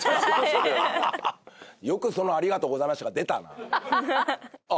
よくそのありがとうございましたが出たなあ